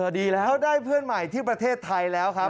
ดีแล้วเขาได้เพื่อนใหม่ที่ประเทศไทยแล้วครับ